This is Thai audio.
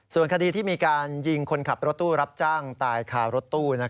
ส่วนคดีที่มีการยิงคนขับรถตู้รับจ้างตายคารถตู้